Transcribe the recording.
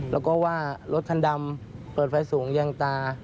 แล้วก็ว่ารถคันดำเปิดไฟสูงยางตา